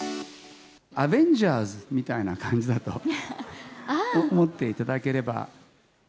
アベンジャーズみたいな感じだと思っていただければ。